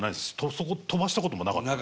そこ飛ばしたこともなかったんで。